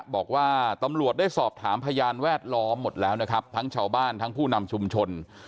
บอกว่าตำรวจได้สอบถามพยานแวดล้อมหมดแล้วนะครับทั้งชาวบ้านทั้งผู้นำชุมชน